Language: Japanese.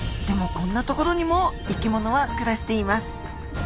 でもこんな所にも生きものは暮らしています。